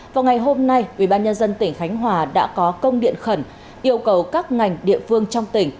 vào ngày hôm nay ubnd tỉnh khánh hòa đã có công điện khẩn yêu cầu các ngành địa phương trong tỉnh